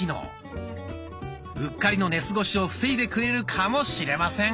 うっかりの寝過ごしを防いでくれるかもしれません。